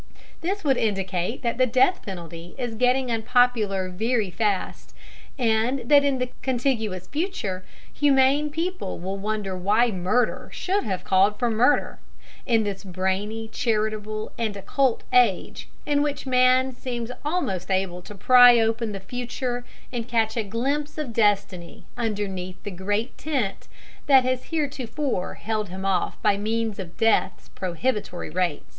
This would indicate that the death penalty is getting unpopular very fast, and that in the contiguous future humane people will wonder why murder should have called for murder, in this brainy, charitable, and occult age, in which man seems almost able to pry open the future and catch a glimpse of Destiny underneath the great tent that has heretofore held him off by means of death's prohibitory rates.